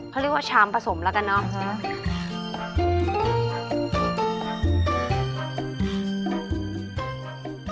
เขาเรียกว่าชามผสมแล้วกันเนาะ